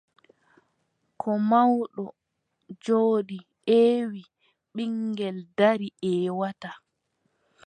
Ko mawɗo jooɗi ƴeewi, ɓiŋngel darii ƴeewataa.